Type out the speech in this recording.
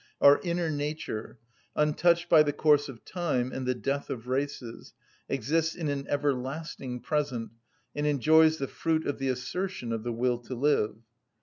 _, our inner nature, untouched by the course of time and the death of races, exists in an everlasting present, and enjoys the fruit of the assertion of the will to live.